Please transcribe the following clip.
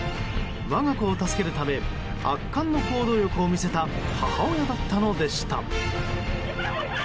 我が子を助けるため圧巻の行動力を見せた母親だったのでした。